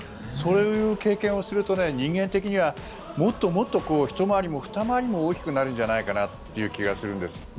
そういう経験をすると人間的にはもっとももっとひと回りもふた回りも大きくなるんじゃないかって気がするんです。